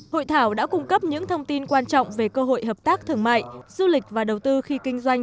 hội thảo đã cung cấp những thông tin quan trọng về cơ hội hợp tác thương mại du lịch và đầu tư khi kinh doanh